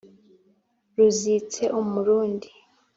ruzitse umurundi,